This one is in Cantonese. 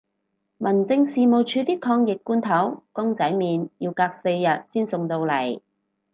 民政事務署啲抗疫罐頭公仔麵要隔四日先送到嚟